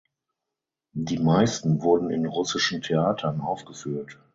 Die meisten wurden in russischen Theatern aufgeführt.